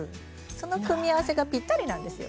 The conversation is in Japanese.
その組み合わせがぴったりなんですよ。